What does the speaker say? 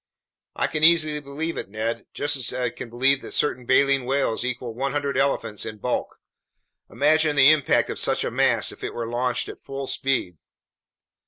"I can easily believe it, Ned, just as I can believe that certain baleen whales equal 100 elephants in bulk. Imagine the impact of such a mass if it were launched at full speed!"